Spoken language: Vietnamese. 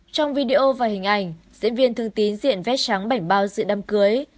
trong video và hình ảnh diễn viên thương tín diện vét trắng bảnh bao dự đám cưới